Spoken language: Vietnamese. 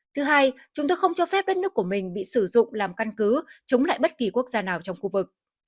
thứ hai chúng tôi không cho phép đất nước của mình bị sử dụng làm căn cứ chống lại bất kỳ quốc gia nào trong khu vực